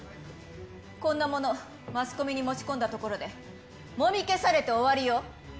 こんなもの、マスコミに持ち込んだところで、もみ消されて終わりよ。